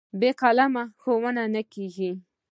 بې قلمه ښوونه نه کېږي.